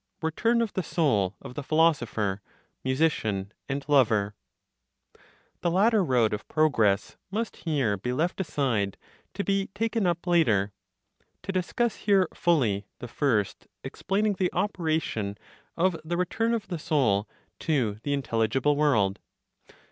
RETURN OF THE SOUL OF THE PHILOSOPHER, MUSICIAN AND LOVER. The latter road of progress must here be left aside (to be taken up later), to discuss here fully the first, explaining the operation of the return of the soul to the intelligible world.